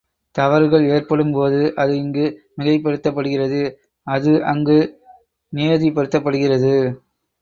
தவறுகள் ஏற்படும்போது அது இங்கு மிகைப்படுத்தப்படுகிறது அது அங்கு நியதிப்படுத்தப்படுகிறது.